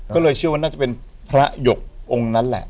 ก็เลยเชื่อว่าน่าจะเป็นพระหยกองค์นั้นแหละ